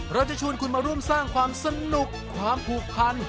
เราจะชวนคุณมาร่วมสร้างความสนุกความผูกพัน